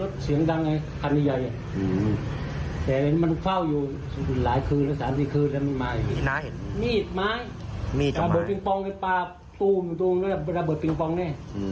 เดี๋ยวเรามาถามนักนี้ค่ะ